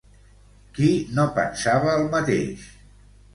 Qui no pensava el mateix?